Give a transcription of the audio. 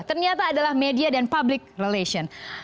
ternyata adalah media dan public relation